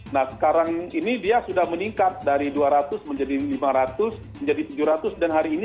nah sekarang ini dia sudah meningkat dari dua ratus menjadi lima ratus menjadi tujuh ratus dan hari ini